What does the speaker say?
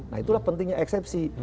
nah itulah pentingnya eksepsi